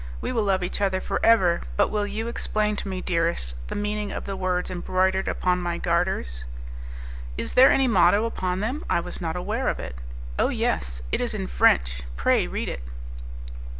We will love each other for ever. But will you explain to me, dearest, the meaning of the words embroidered upon my garters?" "Is there any motto upon them? I was not aware of it." "Oh, yes! it is in French; pray read it."